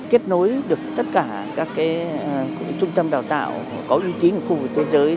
kết nối được tất cả các trung tâm đào tạo có uy tín của khu vực thế giới